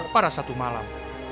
pada satu malam